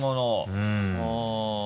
うん。